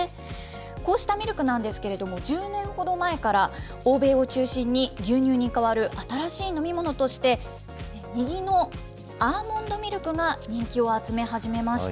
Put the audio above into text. こうしたミルクなんですけれども、１０年ほど前から、欧米を中心に、牛乳に代わる新しい飲み物として、右のアーモンドミルクが人気を集め始めました。